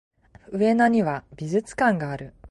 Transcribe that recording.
上野には美術館がある